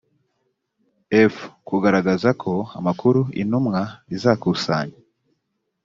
f kugaragaza ko amakuru intumwa izakusanya